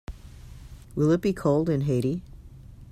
Will it be cold in Haiti?